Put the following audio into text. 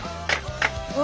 うわ。